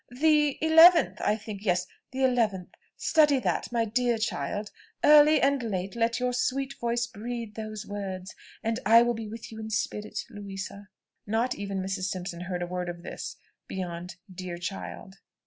"The eleventh, I think. Yes, the eleventh; study that, my dear child. Early and late let your sweet voice breathe those words, and I will be with you in spirit, Louisa." Not even Mrs. Simpson heard a word of this, beyond "dear child."